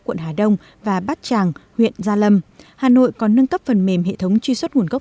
quận hà đông và bát tràng huyện gia lâm hà nội còn nâng cấp phần mềm hệ thống truy xuất nguồn gốc